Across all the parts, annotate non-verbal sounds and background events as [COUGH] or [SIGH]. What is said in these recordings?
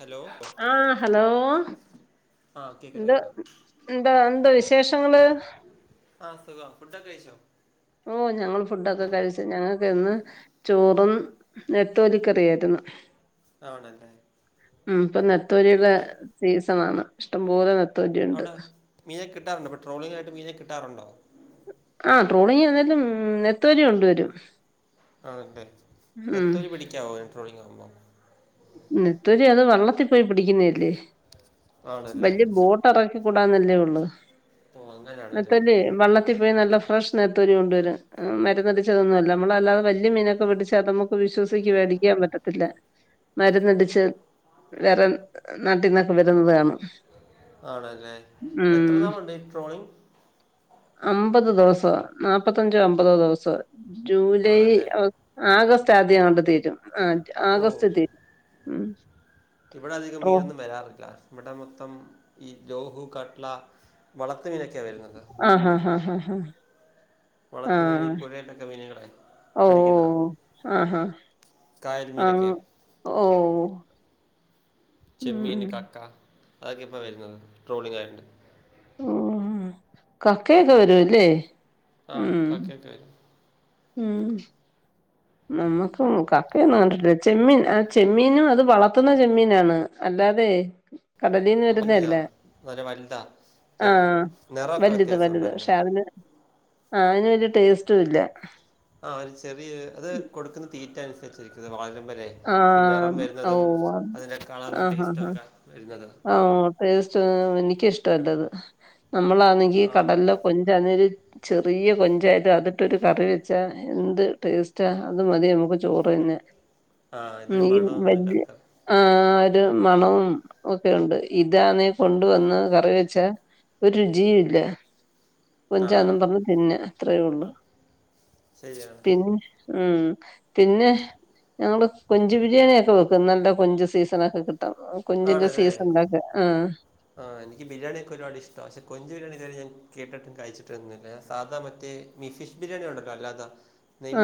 Hello ആഹ് hello ആ കേക്കാം എന്താ കേക്കാം എന്താ എന്താ വിശേഷങ്ങള് ആഹ് സുഖം ഫുഡൊക്കെ കഴചോ ഓ ഞങ്ങള് ഫുഡൊക്കെ കഴിച്ചു ഞങ്ങൾക്ക് എന്ന് ചോറും നത്തോലിക്കറിയായിരുന്നു ആണല്ലേ ഉം ഇപ്പൊ നെത്തോലിയുടെ ഇവിടെ സീസൺ ആണ് ഇഷ്ടംപോലെ നെത്തോ ജ അവിടെ മീനെക്കേ കിട്ടാറുണ്ട് പെട്രോളിങ്ങ ആയിട്ട് മീനെ കിട്ടാറുണ്ടോ ആഹ് ട്രോളിങ്ലും നത്തോലി കൊണ്ട വരും ആണട്ടെ നത്തോലി പിടിക്കാമോ ൻ ട്രോളിംഗ ആവുമ്പ നത്തൊലി അത് വള്ളത്തിൽ പോയി പിടിക്കുന്നല്ലേ ആണല്ലേ വലിയ ബോട്ട റക്ക കൂടാന്നല്ലേ ഉള്ളൂ ഓ അങ്ങനെയാണല്ലേ നത്തോലി വള്ള പോയി നല്ല ഫ്രഷ് നത്തോലി കൊണ്ടുവര മരുന്നടിച്ചതന്നല്ല നമ്മളല്ലതെ വലിയ മീനൊക്കെ പിടിച്ചാൽ നമുക്ക് ഇപ്പ വിശ്വസക്ക് മേടിക്കാൻ പറ്റത്തില്ല മരുന്നടിച്ച് വേറെൻ നാട്ടിന്നൊക്കെ വരുന്നത് കാാണ് ആണല്ലേ എത്ര നാള്ണ്ട് ഈ ട്രോളിങ് അമ്പത് ദിവസം നാപ്പത്തഞ്ചോ അമ്പതോ ദിവസം ജൂലൈ ആണല്ലേ ആഗസ്റ്റ് ആദ്യ അതൊണ്ട് തീരും ആഹ് ഓ ആഗസ്റ്റ് തീരും ഉം ഇവിടെ അധികം ഓ മീനൊന്നും വരാറില്ല ഇവിടെ മൊത്തം ഈ ലോഹു കാറ്റ്‌ല വളത്ത മീനൊക്കെയാണ് വരുന്നത് ആഹ് ആഹ് ആഹ് ആഹ് ആഹ് വളത്ത മീനി പുരായിട്ടൊക്കെ മീനുകളെ ഓ പഠിക്കുന്ന കായൽ മീനൊക്കെ ഓഹ് ചെമ്മീന് കക്ക അതൊക്കെ ഇപ്പ വരുന്നത് ട്രോളിംഗ് ആയോണ്ട് ഉം ഉം ഉം കക്കയൊക്കെ വരുല്ലേ ആഹ് കക്കയൊക്കെ വരും ഉം നമ്മക്ക് കക്കയൊന്നും കിട്ടില്ല ചെമ്മീൻ ആ ചെമ്മീനും അത് വളർത്തുന്ന ചെമ്മീനാണ് അല്ലാതെ കടലീന്ന് വരുന്ന മീനാ അല്ല നല്ല വലുതാ മറ്റേ ആഹ് നിറമൊക്കെ വലുത് വ്യത്യാസം വലുത് ഉണ്ടായിരുന്നു പക്ഷെ അതിന് ആ അതിന് വല്യ ടേസ്റ്റും ഇല്ല ആ ഒരു ചെറിയ അത് കൊടുക്കുന്ന തീറ്റ അനുസരിച്ചിരിക്കുന്നത് വാഴം വരെ ആഹ് നിറം വരുന്നതും ഓഹ് അതിന്റെ കളറും ടേസ്റ്റ ഒക്കെ വരുന്നതും ടേസ്റ്റ്എനിക്കിഷ്ടമല്ലത് നമ്മളാണെങ്കി ആ കടലില കൊഞ് ആണെങ്കില് ചെറിയ കൊഞ്ചായത് അതിട്ടൊരു കറി വെച്ചാ എന്ത് ടേസ്റ്റാ അത് മതി നമുക്ക് ചോറ് തിന്നാൻ ആഹ് ഇതിന് മണൊ മെന്നും ഇല്ലാത്ത ആ ഒരു മണവും ഒക്കെ ഉണ്ട് ഇതാ നീ കൊണ്ടുവന്ന് കറി വെച്ചാ ഒരു രുചിയും ഇല്ല ആ കോഞ്ജ് ആണ് എന്നും പറഞ്ഞ തിന്നെ അത്രയേ ഒള്ളു ശരിയാണ് പിന്നെ ഉം പിന്നെ ഞങ്ങള് കൊഞ്ച് ബിരിയാണിയൊക്കെ വെക്കും നല്ല കൊഞ്ച് സീസണൊക്കെ കിട്ടു കൊഞ്ച്ന്റെ ആണല്ലേ സീസണിലെക്കെ ആഹ് ആ എനിക്ക് ബിരിയാണിക്കെ ഒരുപാട് ഇഷ്ട്ടാ പക്ഷെ കൊഞ്ച് ബിരിയാണി ഇത് വരെ ഞാൻ കേട്ടിട്ടും കഴിച്ചിട്ടൊന്നും ഇല്ല സാധ മറ്റേ ഈ ഫിഷ് ബിരിയാണി ഉണ്ടല്ലോ അല്ലാത്ത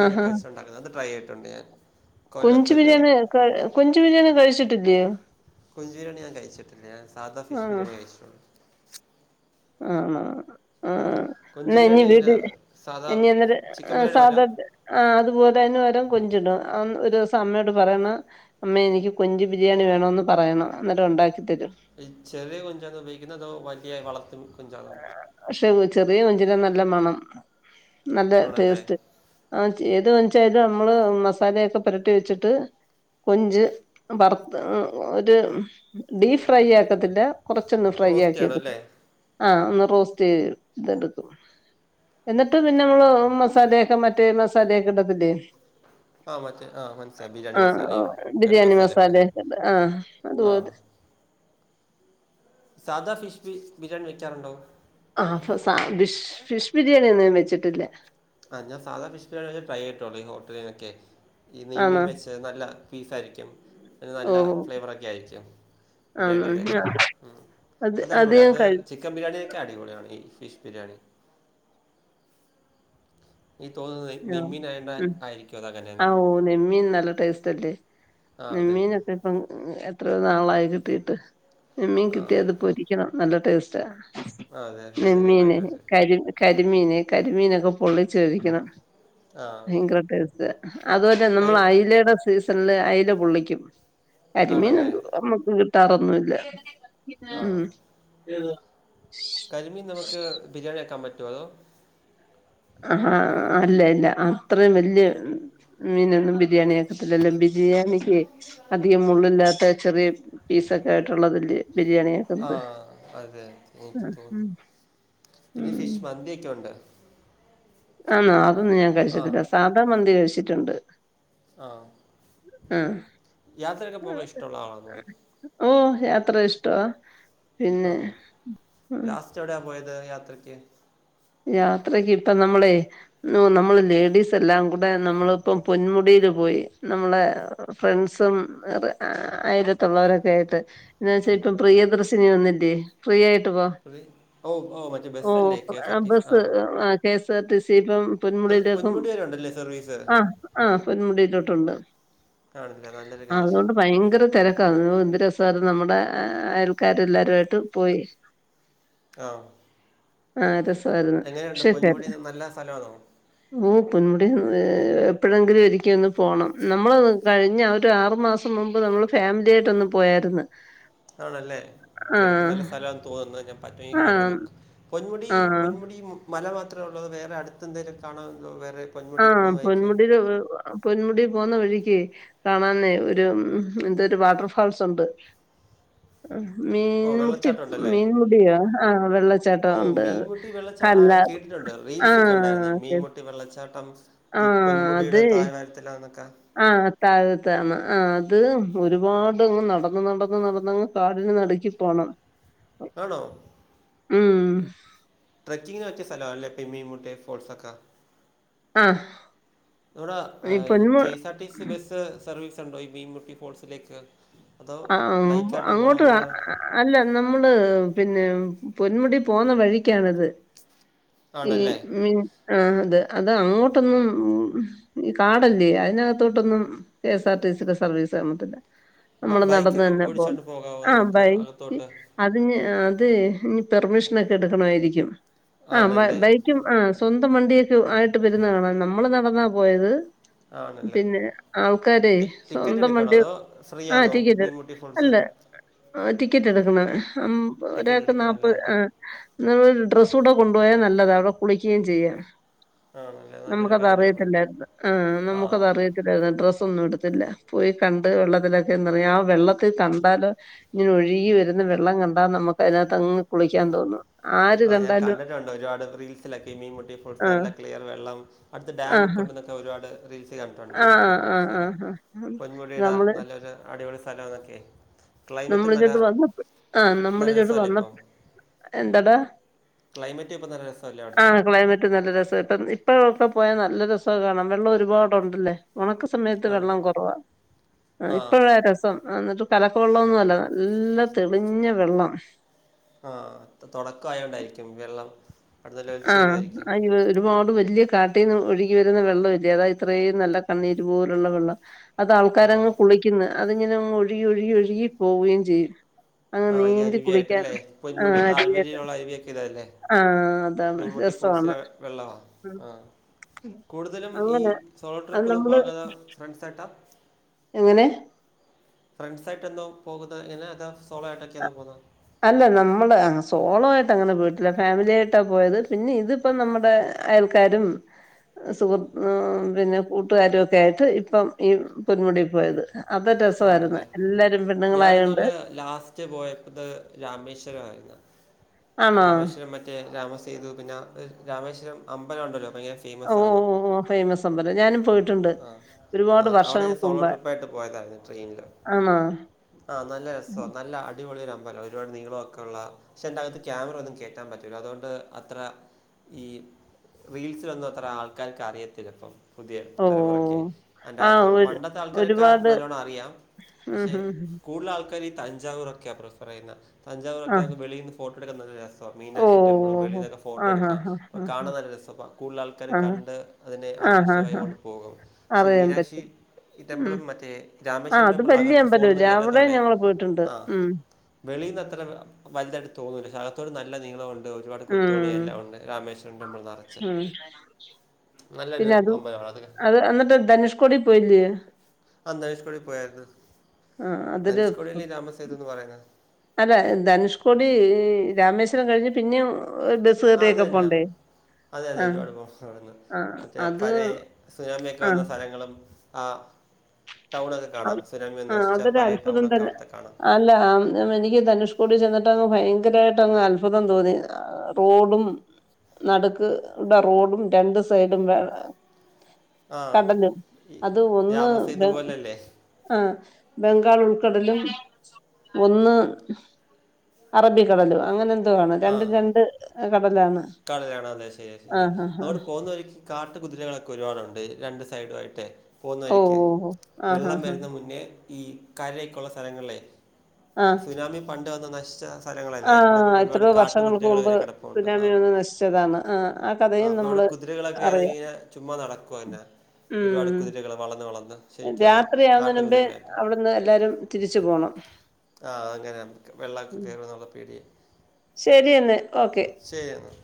ആഹാ വെച്ച് ഉണ്ടാക്കുന്ന അത് ട്രൈ ചെയ്തിട്ടുണ്ട് ഞാൻ കൊഞ്ച് കൊല്ലത്തൊരു ബിരിയാണി കൊഞ്ച് ബിരിയാണി കഴിച്ചിട്ടില്ലയോ കൊഞ്ചു ബിരിയാണി ഞാൻ കഴിച്ചട്ടില്ല ഞാൻ സാധ ഫിഷ് ആഹ് ബിരിയാണിയെ കഴിച്ചിട്ടുള്ളൂ ആണോ ആഹ് ആഹ് കൊഞ്ച് എന്ന ഇഞ് ബിരിയാണി ഇങ്ങനെ വിട് സാധാ ഇനി അന്നേര ചിക്കൻ ബിരിയാണി പോലെ സാധാ ആ അതുപോലെ തന്നെ ഓരോ കൊഞ്ചിടും ഒരു ദിവസം അമ്മയോട് പറയണം അമ്മേ എനിക്ക് കൊഞ്ച് ബിരിയാണി വേണോന്ന് പറയണം അന്നേരം ഉണ്ടാക്കി തരും ഈ ചെറിയ കൊഞ്ചാന്നോ ഉപയോഗിക്കുന്നതോ വലിയ വളർത്തു കൊഞ്ചാണോ പക്ഷെ ചെറിയ കൊഞ്ചിന നല്ല മണം നല്ല ആണല്ലേ ടേസ്റ്റ് ആ ഏത് കൊഞ്ചായാലും നമ്മള് മസാലൊക്കെ പുരട്ടി വെച്ചിട്ട് കൊഞ്ച് വറുത്ത് ഒരു ഡീ ഫ്രൈ ആക്കത്തില്ല കുറച്ചൊന്നും ഫ്രൈ റോസ്റ്റ് ആണോ അല്ലേ ആക്കിയെടുക്കും ആഹ് ഒന്ന് റോസ്റ്റ് ചെയ്തെടുക്കും എന്നിട്ട് പിന്നെ നമ്മള് മസാലയൊക്കെമ മറ്റേ മസാലൊക്കെ ഇടത്തില്ലേ ആ മറ്റേ ആ മനസ്സിലായി ബിരിയാണി മസാലയും ആഹ് ഗരം ബിരിയാണി മസാലയൊക്കെ മസാല ഒക്കെ ഇടുലെ ആഹ് അത് ആ പോലെ സാധ ഫിഷ് ഫിഷ് ബിരിയാണി വെക്കാറുണ്ടോ ആഹ് ഫിഷ് ഫിഷ് ബിരിയാണി ഒന്നും വെച്ചിട്ടില്ല ആഹ് ഞാൻ സാധ ഫിഷ് ബിരിയാണി ഒക്കെ ട്രൈചെയ്തിട്ടുള്ളൂ ഈ ഹോട്ടലിലൊക്കെ ഈ നെയ്മീ ആണോ വെച്ച് നല്ല പീസായിരിക്കും നല്ല ഓഹ് ഫ്ലേവറൊക്കെ ആയിരിക്കും ആണോ ബിരിയാണിയുടെ ഒക്ക ഞാ- ഉം അത് അടിപൊളി അത് ചിക്ക് ചിക്കൻബിരിയാണി ഒക്കെ അടിപൊളിയാണ് ഈ ഫിഷ് ബിരിയാണി എനിക്ക് തോന്നുന്നത് നെ- ആഹ് നെയ്മീനായതുകൊണ്ട് ഉം ആയിരിക്കും അതങ്ങനെയെന്ന് ആഹ് ഓ നെമ്മീൻ നല്ല ടേസ്റ്റ് അല്ലേ ആ അതെ നെമ്മീൻ ഒക്കെ അം എത്രയോ നാളായി കിട്ടീട്ട് നിമ്മീൻ ആ കിട്ടിയാ അത് പൊരിക്കണം നല്ല ടേസ്റ്റ ആ അതെ അതെ നെമ്മിന് ശരിയായിട്ട് കരി കരിമീന് കരിമീനൊക്കെ പൊള്ളിച്ച് കഴിക്കണം ആ ഭയങ്കര ടേസ്റ്റ അതുപോലെ കരി നമ്മള് അയിലയുടെ സീസണില് അയില പെള്ളിക്കും ആണല്ലേ കരിമീനൊന്നും നമ്മുക്ക് കിട്ടാറൊന്നുംല്ല ആ ഉം ഏതാ കരിമീൻ നമുക്ക് ബിരിയാണി ആക്കാൻ പറ്റുവോ അതോ ആഹ അല്ല അല്ല അത്രയും വലിയ മീനൊന്നും ബിരിയാണി ആക്കത്തില്ലല്ലോ ബിരിയാണിക്ക് അധികം മുള്ളില്ലാത്ത ചെറിയ പീസ് ഒക്കെ ആയിട്ടുള്ളതില്ലേ ആഹ അതെ തോന്നി തോന്നി ഉം പിന്നെ ഉം ഫിഷ് മന്തി ഒക്കെ ഒണ്ട് ആന്നോ അതൊന്നും ഞാൻ ആ കഴിച്ചിട്ടില്ല സാദാ മന്തി കഴിച്ചിട്ടുണ്ട് ആഹ് ആഹ് യാത്രയൊക്കെ പോകാൻ ഇഷ്ട ഉള്ള ആളാന്നോ ഓഹ് യാത്ര ഇഷ്ടവാ പിന്നെ ആണോ ഉം ലാസ്റ്റ് എവിടെയാ പോയത് യാത്രയ്ക്ക് യാത്രക്ക് ഇപ്പം നമ്മളെ നമ്മള് ലേഡീസ് എല്ലാം കൂ ടെ നമ്മളിപ്പം പൊന്മുടിയില് പോയി നമ്മളെ ഫ്രണ്ട്സും വേറെ അയിലത്തുള്ളവരൊക്കെ ആയിട്ട് എന്ന് വെച്ചാൽ ഇപ്പം പ്രിയ ദർശിനി വന്നില്ലേ ഫ്രീ ആയിട്ട് പോവാം പ്രി ഓഹ് ഓഹ് മറ്റെ ബസ്സല്ലേ K S R T bus ആഹ് K S R T C ഇപ്പം അത് പൊന്മുടിയിലേക്കും പൊന്മുടി വരെ ഉണ്ടല്ലേ സർവീസ് ആഹ് ആഹ് പൊന്മുടിയിലോട്ടുണ്ട് ആണല്ലെ നല്ലൊരു കാര്യം അതോണ്ട് ഭയങ്കര തിരക്ക ഉം എന്ത് രസായിരുന്നു നമ്മുടെ അയൽക്കാരും എല്ലാവരും ആയിട്ട് പോയി ആഹ് ആഹ് രസമായിരുന്നു പക്ഷേ കേ പൊന്മുടി നല്ല സ്ഥലമാണോ ഓഹ് പൊന്മുടി എപ്പഴെങ്കിലും ഒരിക്കെ ഒന്ന് പോണം നമ്മൾ കഴിഞ്ഞ ഒരാറു മാസം മുമ്പ് നമ്മള് ഫാമിലി ആയിട്ടൊന്നു പോയാര്ന്ന് ആണല്ലേ കേട്ടിട്ട് നല്ല സ്ഥലാന്ന് തോന്നുന്ന് ഞാൻ പറ്റുവെങ്കി വരാൻ ആഹ് നോക്കാം പൊന്മുടി ആഹ് പൊന്മുടി മല മാത്രെ ഉള്ളൊ അതോ വേറെ അടുത്തെന്തേലും കാണാന് വേറെ പൊന്മുടി ആഹ് പോകുന്ന വഴിക്ക് പൊന്മുടില് ഒരു പൊന്മുടി പോന്ന വഴിക്കെ കാണാനെ ഒരു എന്തൊരു വാട്ടർ ഫാൾസ് ഉണ്ട് [INAUDIBLE] ഓ മീൻമുട്ടി വെള്ളച്ചാട്ടം ഉണ്ടല്ലേ മീൻമുടിയോ ആഹ് വെള്ളച്ചാട്ടൊണ്ട് ആഹ് കേട്ടിട്ടുണ്ട് റീൽസിൽ കണ്ടാരുന്നു ഇ മീൻമു ടി വെള്ളച്ചാട്ടംസ് ഈ പൊന്മുടിയുടെ താഴ്‌ വാരത്തിലാന്നൊക്കെ ആ താഴത്താണ് ആത് ഒരുപാടങ്ങ് നടന്ന് നടന്ന് നടന്നങ്ങ് കാടിന് നടുക്കി പോണം ആണോ ഉം ട്രക്കിങ്ങിന് പറ്റിയ സ്ഥലാല്ലെ ഇപ്പി മീൻമുട്ടി ഫോൾസൊക്കെ ആഹ് ഇവടെ അ ഈ ഇ പൊന്മു K S R T C bus service ഉണ്ടോ ഈ ഭീമുട്ടി ഫോൾസിലേക്ക് അതോ ആ ബൈക്കായിട്ട് പോണോ അങ്ങോട്ട് അ- എങ്ങനാ അല്ല നമ്മള് പിന്നെ പൊന്മുടി പോന്ന വഴിക്കാണിത് ഈ ആണല്ലേ മീ ആഹ് അത് അത് അങ്ങോട്ടൊന്നും ഈ കാടല്ലേ അതിനകത്തോട്ടൊന്നും കെ എസ് ആർ ടി സിടെ സർവീസ് നടന്നിട്ടില്ല ബ- നമ്മള് നടന്ന് ബൈക്കൊക്കെ തന്നെ പോണം ഓടിച്ചോണ്ട് പോകാമോ ആ നമുക്ക് ബൈക്കിൽ അകത്തോട്ട് അതിനി അത് ഇനി പെർമിഷനൊക്കെ എടുക്കണമായിരിക്കും ആ ബൈ ആണല്ലേ ബൈക്കും ആ സ്വന്തം വണ്ടിയൊക്കെ ആയിട്ട് വരുന്ന കാണാം നമ്മള് നടന്നാ പോയത് ആണല്ലേ പിന്നെ ആൾക്കാരെ ടി- ടിക്കറ്റ് സ്വന്തം എടുക്കണോ വണ്ടി അതോ ഫ്രീ ആഹ് ആണോ ടിക്കറ്റ് മീൻമുട്ടി ഫോൾസ് അല്ല ടിക്കറ്റ് എടുക്കണം ടിക്കറ്റ് ഒരാക്ക് എടുക്കണം നാപ്പത് അല്ലേ നമ്മള് ഡ്രസ്സൂടെ കൊണ്ടുപോയാൽ നല്ലതാ അവിടെ കുളിക്കുകയും ചെയ്യാം ആണല്ലേ നല്ലൊരു നമുക്കത് കാര്യമാണ് അറിയത്തില്ലാരുന്നു ആഹ് ആഹ് നമുക്കതറിയ [UNINTELLIGIBLE] ഡ്രസ്സൊന്നും എടുത്തില്ല പോയി കണ്ട് വെള്ളത്തിലൊക്കെ എന്നുപറഞ്ഞാ വെള്ളത്തിൽ കണ്ടാലോ ഇങ്ങനെ ഒഴുകി വരുന്ന വെള്ളം കണ്ടാ നമുക്ക് അതിനകത്തങ്ങ് കുളിക്കാൻ തോന്നും ആര് ആ ഞാൻ കണ്ടാലും കണ്ടിട്ടുണ്ട് ഒരുപാട് റീൽസിലൊക്കെ മീൻമുട്ടി ഫോൾസ് ആ നല്ല ക്ലിയർ വെള്ളം അടുത്ത് ആ ഡാമൊക്കെ ഉണ്ടന്നൊക്കെ ഒരുപാട് റീൽസ് കണ്ടിട്ടുണ്ട് ആ ആ മീൻമുട്ടി ആ ഫോൾസ് ആ ആ പൊന്മുടിയുടെ നമ്മള് നല്ലൊരു അടിപൊളി സ്ഥലാന്നൊക്കെ നമ്മളിങ്ങോട്ട് വന്നപ്പ ആഹ് നല്ല നമ്മളിങ്ങോട്ട് രസമല്ലേ വന്നപ്പ ഇപ്പം എന്താടാ? ക്ലൈമറ്റ് ഇപ്പം നല്ല രസമല്ലേ അവിടുത്തെ ആഹ് ക്ലൈമറ്റ് നല്ല രസാട്ടാ [UNINTELLIGIBLE] [UNINTELLIGIBLE] പോയാൽ നല്ല രസാ കാണാൻ വെള്ളം ഒരുപാടുണ്ടല്ലേ ഉണക്ക് സമയത്ത് ആണ് വെള്ളം കുറവാ ആ ഇപ്പഴാ രസം എന്നിട്ട് കല ക്ക വെള്ളം ഒന്നും അല്ല നല്ല തെളിഞ്ഞ വെള്ളം. ആഹ് അത് തുടക്ക ആയോണ്ടായിരിക്കും വെള്ളം [UNINTELLIGIBLE] ഒലിച്ച് ആഹ് വരുവായിരിക്കും. അയ്യോ ഒരുപാട് വല്ല്യ കാട്ടീന്ന് ഒഴുകി വരുന്ന വെള്ളം അല്ലേ അതാ ഇത്രേം നല്ല കണ്ണീരു പോലുള്ള വെള്ളം. ആ അതാൾക്കാരങ്ങ് കുളിക്കുന്നു അതിങ്ങനങ്ങ് ഒഴുകി ഒഴുകി ഒഴുകി പോവുകയും ചെയ്യും. അങ്ങ് ആഹ് ഈ നീന്തി അരുവി കുളിക്കാൻ ആയിട്ടല്ലേ ആഹ് പൊന്മുഴി താഴ് അടിയായിട്ട് വഴിയിലുള്ള അരുവിയൊക്കെ ഇതല്ലേ? ആഹ് അതാണ് മീമുട്ടി രസവാണ് ഫോൾസിലെ വെള്ളവാ ഉം ആഹ് കൂടുതലും ഈ അങ്ങനെ സോളോ അത് ട്രിപ്പ് ഒന്നും നമ്മള് പോകാതെ ഫ്രണ്ട്സായിട്ടാ? എങ്ങനെ? ഫ്രണ്ട്സായിട്ടാന്നോ പോകുന്നത് എങ്ങനാ അത് സോളോ ആയിട്ടൊക്കെയാന്നോ പോകുന്നത്? അല്ല നമ്മള് സോളോ ആയിട്ട് അങ്ങനെ പോയിട്ടില്ല ഫാമിലി ആയിട്ടാ പോയത്. പിന്നെ ഇതിപ്പോ നമ്മുടെ അയൽക്കാരും സുഹൃ ഉം പിന്നെ കൂട്ടുകാരൊക്കെ ആയിട്ട് ഇപ്പം ഈ പൊന്മുടി പോയത്. അപ്പോ രസമായിരുന്നു ആണല്ലേ എല്ലാരും ഞാൻ പെണ്ണുങ്ങളായോണ്ട് ഇന്നാള് ലാസ്റ്റ് പോയപ്പോത് രാമേശ്വരം ആരുന്നു ആണോ രാമേശ്വരം മ റ്റേ രാമസയ്തു പിന്നെ രാമേശ്വരം അമ്പലം ഉണ്ടല്ലോ ഭയങ്കര ഓ ഫേമസ് ഓ ആണ്. ഓ ഫേമസ് അമ്പലം ഞാനും പോയിട്ടുണ്ട് ആഹ് ഒരുപാട് ആഹ് അവിടെ ഞാൻ വർഷങ്ങൾക്ക് സോളോ മുമ്പ് ട്രിപ്പ് ആയിട്ട് പോയതാ [UNINTELLIGIBLE] ട്രെയിനില് ആണോ ആഹ് നല്ല രസാ നല്ല അടിപൊളി അമ്പലാ ഒരുപാട് നീളം ഒക്കെ ഉള്ള പക്ഷേ അയിന്റകത്ത് ക്യാമറ ഒന്നും കേറ്റാൻ പറ്റൂല അതുകൊണ്ട് അത്ര ഈ റീൽസിലൊന്നും അത്ര ആൾക്കാർക്ക് അറിയത്തില്ല ഇപ്പം പുതിയ ഓ തലമുറയ്ക്കെ ആ അയിന്റകത്തൊള്ളെ ഒരു പണ്ടത്തെ ആൾക്കാരൊക്കെ ഒരുപാട് നല്ലോണം അ റിയാം ഉം പക്ഷേ ഉം ഉം. കൂടുതൽ ആൾക്കാര് ഈ തഞ്ചാവൂരൊക്കെയാ പ്രിഫർ ചെയ്യുന്നേ. ആ തഞ്ചാവൂരൊക്കെ വെളീന്ന് ഫോട്ടോ എടുക്കാൻ നല്ല രസാ ഓ മീനാക്ഷി ടെമ്പിളും ഓ, ഓ. വെളീന്നൊക്കെ ഫോട്ടോ ആ ഹാ എടുക്കാം ഹാ അപ്പോ ഹാ ഹാ കാണാൻ നല്ല രസമാ കൂടുതൽ ആൾക്കാര് ആ കണ്ട് അതിനെ ആ ഹാ ആകർഷമായി ഹാ അങ്ങോട്ട് പോകും. ക്ഷേ അറിയാൻ മീനാക്ഷി പറ്റും ഉം ടെമ്പിളും മറ്റേ ആഹ് രാമേശ്വരം അത് ടെമ്പിൾ വല്യ അകത്ത് ഫോണൊന്നും അമ്പലല്ലേ അവിടെ കേറ്റാത്തോണ്ടേ ഞങ്ങള് പോയിട്ടുണ്ട് ആഹ് ഉം വെളീന്ന് അത്ര വലുതായിട്ട് തോന്നൂല ശ്ശേ അകത്തോട്ട് നല്ല നീളവൊ ണ്ട് ഒരുപാട് കൊത്തുപണി ഉം എല്ലാം ഉണ്ട് രാമേശ്വരം ടെമ്പിൾ നെറച്ച്. പിന്ന അതും അത് അന്നിട്ട് ധനുഷ്കോടി പോയില്ലേ? ആഹ് ധനുഷ്കോടി പോയായിരുന്നു ആഹ് അതൊരു ധനുഷ്കോടിയല്ലേ രാമസേതു എന്ന് പറയുന്നേ? അല്ല ധനുഷ്കോടി രാമേശ്വരം കഴിഞ്ഞ് പിന്നേം ബസ്സ് ആ അത് കേറിയൊക്കെ തന്നെയാ പോണ്ടേ? അതെ അതെ ആഹ് ഒരുപാട് [UNINTELLIGIBLE] ആഹ് മറ്റേ അത് പഴേ സുനാമിയൊക്കെ വന്ന ആഹ് സ്ഥലങ്ങളും ആഹ് ആഹ് നശിച്ച അതൊരു പഴയ അത്ഭുതം ടൗണൊക്കെ തന്നെ അവിടുത്തെ കാണാം അല്ല എനിക്കി ധനുഷ്കൂടി ചെന്നിട്ട് അങ്ങ് ഭയങ്കരായിട്ട് അങ്ങ് അത്ഭുതം തോന്നി റോഡും നടുക്ക്ടെ റോഡും രണ്ട് സൈഡും വെ ആ കടലും ഈ അത് ഒന്ന് രാമസേതു പോലല്ലേ ആഹ് ബംഗാൾ ഉൾക്കടലും ഒന്ന് അറബിക്കടലും അങ്ങനെ എന്തോ ആണ് രണ്ടും രണ്ട് കടലാണ്. കടലാണ് അതെ ശരിയാ ശരിയാ ആഹ് ആഹ് ആഹ് അങ്ങോട്ട് പോന്ന വയിക്ക് കാട്ട് കുതിരകളൊക്കെ ഒരുപാടുണ്ട് രണ്ട് സൈഡുവായിട്ടേ. പോന്ന ഓഹ് വയിക്കി ഓഹ് ഓഹ് ആഹ് വെള്ളം ആഹ് വരുന്ന മുന്നേ ഈ കരേക്കുള്ള സ്ഥലങ്ങളിലേ. സുനാമി പണ്ട് വന്ന് നശിച്ച സ്ഥലങ്ങളല്ലേ ആഹ് ആഹ് ഇവിടെക്കെ ഒരുപാട് എത്രയോ കാട്ടു വർഷങ്ങൾക്ക് കുതിരകൾ മുമ്പ് വരെ കെടപ്പുണ്ട് ആ [UNINTELLIGIBLE] ആ അപ്പൊ വടെ അറിയാം കുതിരകളൊക്കെറെങ്ങിങ്ങനെ ചുമ്മാ നടക്കുവ പിന്നെ ഒരുപാട് കുതിരകൾ വളഞ് വളഞ് രാത്രിയാവുന്നേന് മുമ്പേ അവ്ട്ന്ന് എല്ലാരും തിരിച്ചു പോണം ആ അങ്ങന വെള്ളക്കെ കേറോന്നുള്ള പേട്യ ശെരി ന്ന് ഓക്കെ ശെരിയെന്ന